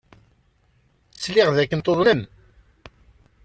Sliɣ dakken tuḍnem.